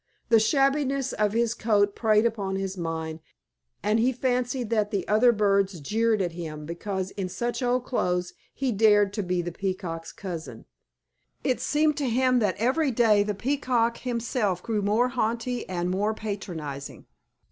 The shabbiness of his coat preyed upon his mind, and he fancied that the other birds jeered at him because in such old clothes he dared to be the Peacock's cousin. It seemed to him that every day the Peacock himself grew more haughty and more patronizing.